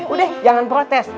udah jangan protes